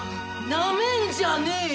なめんじゃねえよ！